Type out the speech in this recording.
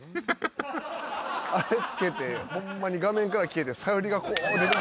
あれつけてホンマに画面から消えてサヨリがこう。